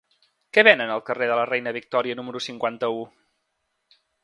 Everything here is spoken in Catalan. Què venen al carrer de la Reina Victòria número cinquanta-u?